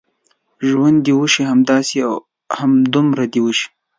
ژوند دې وشي، همداسې او همدومره دې وشي.